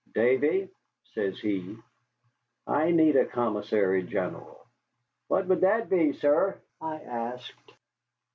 "Davy," says he, "I need a commissary general." "What would that be, sir," I asked.